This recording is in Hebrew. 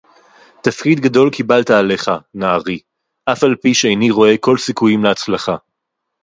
תַּפְקִיד גָּדוֹל קִבַּלְתָּ עָלֶיךָ, נַעֲרִי, אַף עַל פִּי שֶׁאֵינִי רוֹאֶה כָּל סִכּוּיִים לְהַצְלָחָה.